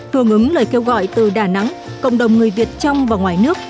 phương ứng lời kêu gọi từ đà nẵng cộng đồng người việt trong và ngoài nước